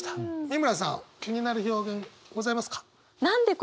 美村さん気になる表現ございますか？